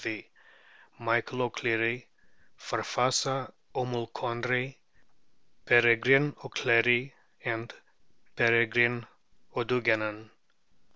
Michael O'Clery, Farfassa O'Mulconry, Peregrine O'Clery, and Peregrine O'Duigenan.